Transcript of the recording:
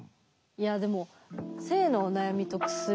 いやでも性のお悩みと薬。